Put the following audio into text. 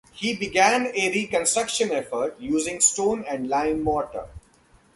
He began a reconstruction effort, using stone and lime mortar.